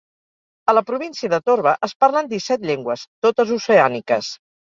A la província de Torba es parlen disset llengües, totes oceàniques.